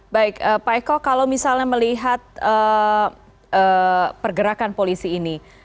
baik pak eko kalau misalnya melihat pergerakan polisi ini